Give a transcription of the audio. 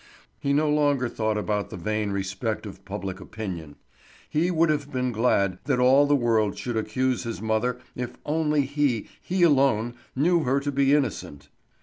He no longer thought about the vain respect of public opinion. He would have been glad that all the world should accuse his mother if only he, he alone, knew her to be innocent!